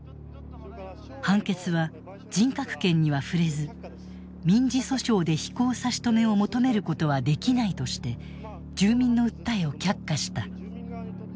判決は人格権には触れず民事訴訟で飛行差し止めを求めることはできないとして住民の訴えを却下した。